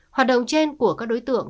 hoạt động trên của các đối tượng